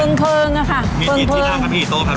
มีกี่ที่นั่งครับพี่โต๊ะครับพี่